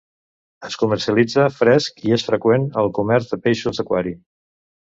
Es comercialitza fresc i és freqüent al comerç de peixos d'aquari.